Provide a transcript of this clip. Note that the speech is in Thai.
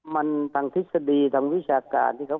มันทางทฤษฎีทางวิชาการ